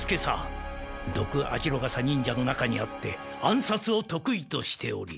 ドクアジロガサ忍者の中にあって暗殺を得意としており。